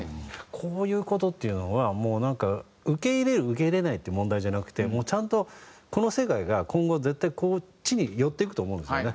こういう事っていうのはもうなんか受け入れる受け入れないって問題じゃなくてもうちゃんとこの世界が今後絶対こっちに寄っていくと思うんですよね。